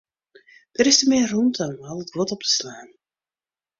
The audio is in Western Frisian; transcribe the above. Der is te min rûmte om al it guod op te slaan.